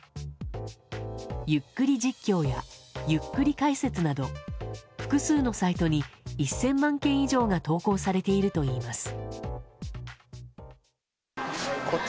ゆっくり実況やゆっくり解説など複数のサイトに１０００万件以上が投稿されているといいます。